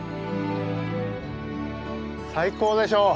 最高でしょう！